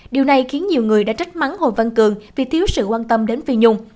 điều này khiến nhiều người đã trách mắng hồ văn cường vì thiếu sự quan tâm đến phi nhung